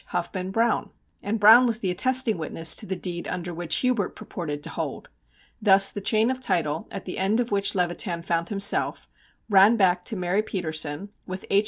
Huffman Browne! And Browne was the attesting witness to the deed under which Hubert purported to hold. Thus the chain of title, at the end of which Levitan found himself, ran back to Mary Petersen, with H.